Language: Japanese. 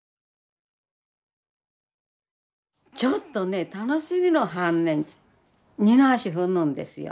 ちょっとね楽しみの反面二の足踏むんですよ。